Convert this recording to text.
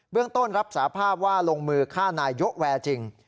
เรื่องต้นรับสาภาพว่าลงมือฆ่านายยกแวร์จริง